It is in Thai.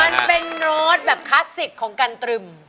มันเป็นโรสแบบคลาสสิกของกันตรึม